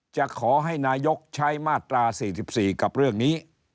จะขอให้นายกใช้มาตรา๔๔กับเรื่องนี้